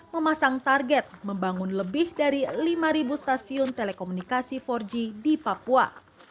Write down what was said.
memasang target membangun lebih dari lima stasiun telekomunikasi empat g di papua